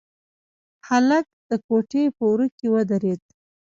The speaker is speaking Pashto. هلک د کوټې په وره کې ودرېد.